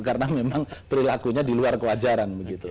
karena memang perilakunya di luar kewajaran begitu